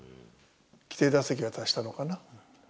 規定打席は達したのかな。